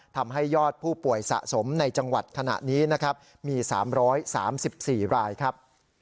ทำให้ยอดผู้ป่วยสะสมในจังหวัดขณะนี้นะครับมี๓๓๔รายครับ